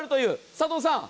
佐藤さん。